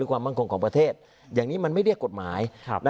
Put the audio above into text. อย่างนี้มันไม่เรียกกฎหมาย